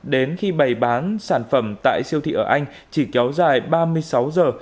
đến khi bày bán sản phẩm tại siêu thị ở anh chỉ kéo dài ba mươi sáu giờ